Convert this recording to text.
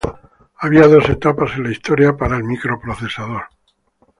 Había dos etapas en la historia para el microprocesador.